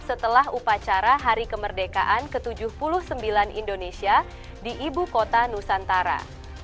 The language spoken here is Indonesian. setelah upacara hari kemerdekaan ke tujuh puluh sembilan indonesia di ibu kota nusantara